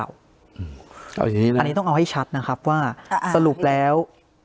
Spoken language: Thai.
อันนี้ต้องเอาให้ชัดนะครับว่าสรุปแล้ว